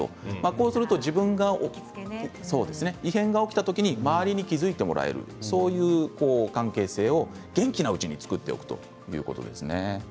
こうすると自分が異変が起きた時に周りに気付いてもらえるそういう関係性を元気なうちに作っておくということですね。